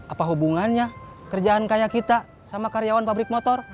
apa hubungannya kerjaan kayak kita sama karyawan pabrik motor